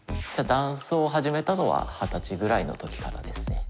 男装を始めたのは二十歳ぐらいの時からですね。